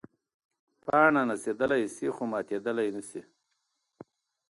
پاڼه نڅېدلی شي خو ماتېدلی نه شي.